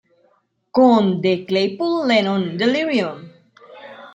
Con The Claypool Lennon Delirium